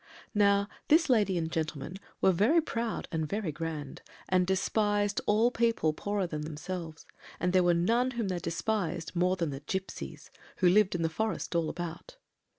"Now, this lady and gentleman were very proud and very grand, and despised all people poorer than themselves, and there were none whom they despised more than the gipsies, who lived in the forest all about.